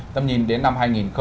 tầm nhìn đến năm hai nghìn năm mươi